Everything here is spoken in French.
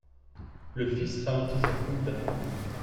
Le fils ralentit sa fougue d'amour.